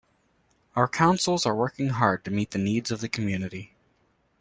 Our Councils are working hard to meet the needs of the community.